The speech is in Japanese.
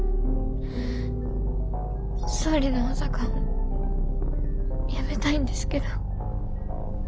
総理の補佐官辞めたいんですけど。